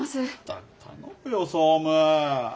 たく頼むよ総務。